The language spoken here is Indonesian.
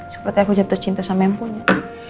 seperti aku jatuh cinta sama yang punya